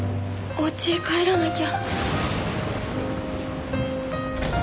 おうちへ帰らなきゃ。